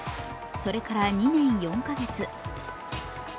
それから２年４カ月。